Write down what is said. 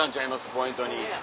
ポイントに。